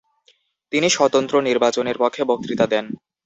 তিনি স্বতন্ত্র নির্বাচনের পক্ষে বক্তৃতা দেন।